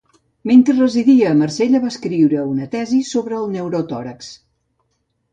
Mentre residia a Marsella va escriure una tesi sobre el pneumotòrax.